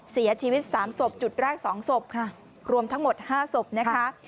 เสียชีวิต๓ศพจุดแรก๒ศพค่ะรวมทั้งหมด๕ศพนะคะ